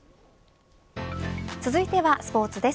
続いてはスポーツです。